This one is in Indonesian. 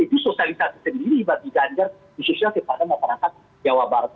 di sosialisasi masyarakat jawa barat